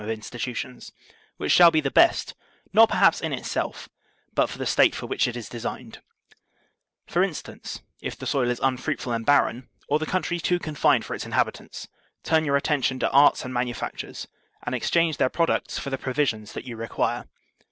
(45) 46 THE SOCIAL CONTRACT of institutions, which shall be the best, not perhaps in itself, but for the State for which it is designed For instance, if the soil is unfruitful and barren, or the country too confined for its inhabitants, turn your atten tion to arts and manufactures, and exchange their pro ducts for the provisions that you require.